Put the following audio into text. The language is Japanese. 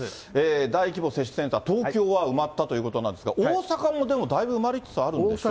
大規模接種センター、東京は埋まったということなんですが、大阪もでも、だいぶ埋まりつつあるんでしょ。